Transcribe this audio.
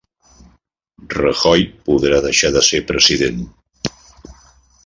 Rajoy podrà deixar de ser president